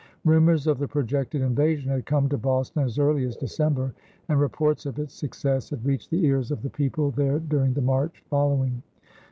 Rumors of the projected invasion had come to Boston as early as December, and reports of its success had reached the ears of the people there during the March following.